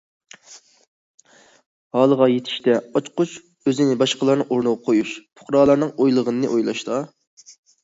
ھالىغا يېتىشتە ئاچقۇچ ئۆزىنى باشقىلارنىڭ ئورنىغا قويۇش، پۇقرالارنىڭ ئويلىغىنىنى ئويلاشتا.